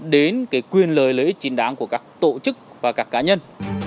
đến quyền lợi lợi ích chính đáng của các tổ chức và các cá nhân